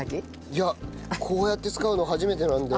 いやこうやって使うの初めてなんで。